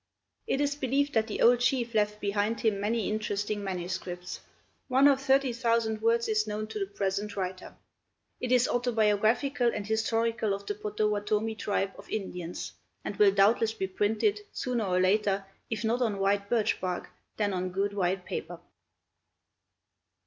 It is believed that the old chief left behind him many interesting manuscripts. One of thirty thousand words is known to the present writer. It is autobiographical and historical of the Pottowattomie tribe of Indians, and will doubtless be printed, sooner or later, if not on white birch bark, then on good white paper.